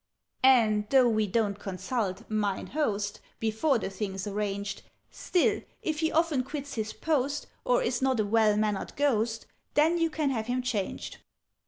"And, though we don't consult 'Mine Host' Before the thing's arranged, Still, if he often quits his post, Or is not a well mannered Ghost, Then you can have him changed.